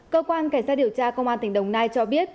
cơ quan cảnh sát điều tra công an tỉnh đồng nai cho biết